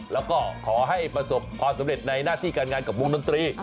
แล้วก็ขอให้ประสบความสำเร็จในหน้าที่การงานกับวงดนตรี